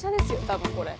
多分これ。